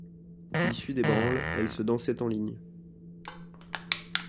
Issue des branles, elle se dansait en ligne.